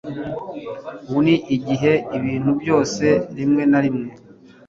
Ubu ni igihe ibintu byose rimwe na rimwe